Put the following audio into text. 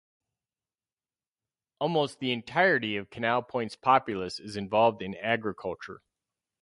Almost the entirety of Canal Point's populace is involved in agriculture.